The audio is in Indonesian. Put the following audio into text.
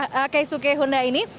apakah sosok keisuke honda ini